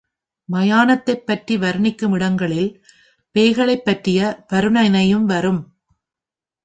மயானத்தைப் பற்றி வருணிக்கும் இடங்களில் பேய்களைப் பற்றிய வருணனையும் வரும்.